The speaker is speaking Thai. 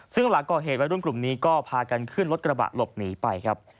ซึ่งหลังก่อเหตุวัยรุ่นกลุ่มนี้ก็พากันขึ้นรถกระบะหลบหนีไปครับ